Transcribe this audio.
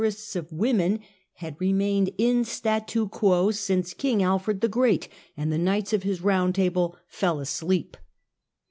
ests of women, had remained in statu quo, since King Alfred the Great and the knights of his Eound Table fell asleep.